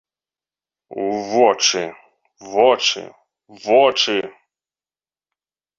У вочы, вочы, вочы.